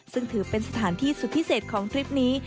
ซึ่งถือเป็นสถานที่สุดพิเศษของทริปนี้